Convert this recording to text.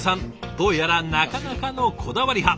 どうやらなかなかのこだわり派。